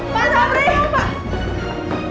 mas arman tunggu